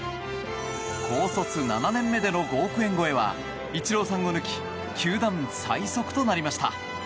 高卒７年目での５億円超えはイチローさんを抜き球団最速となりました。